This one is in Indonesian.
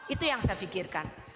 itu yang saya pikirkan